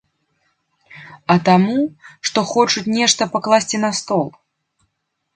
А таму, што хочуць нешта пакласці на стол.